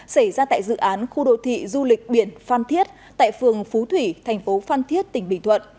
xảy ra tại dự án khu đô thị du lịch biển phan thiết tại phường phú thủy thành phố phan thiết tỉnh bình thuận